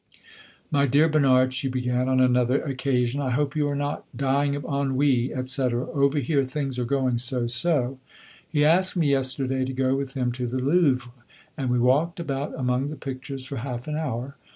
"My dear Bernard," she began on another occasion, "I hope you are not dying of ennui, etc. Over here things are going so so. He asked me yesterday to go with him to the Louvre, and we walked about among the pictures for half an hour.